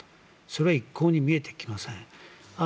それが一向に見えてきません。